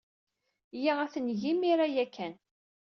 Iyya ad t-neg imir-a ya kan.